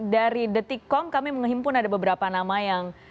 dari detikom kami menghimpun ada beberapa nama yang